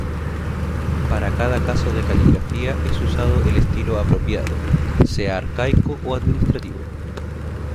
Para cada caso de caligrafía es usado el estilo apropiado, sea arcaico o administrativo.